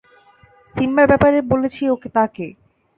সিম্বার ব্যাপারে বলেছি তাকে।